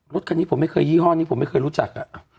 รถคันนี้ผมไม่เคยยี่ห้อนี้ผมไม่เคยรู้จัก